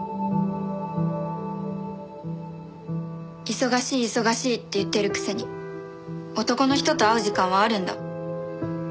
忙しい忙しいって言ってるくせに男の人と会う時間はあるんだ。